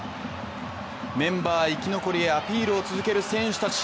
メンバー生き残りへアピールを続ける選手たち